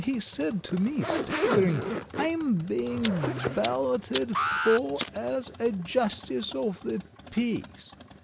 He said to me, staggering: 'I'm being balloted for as a justice of the peace!'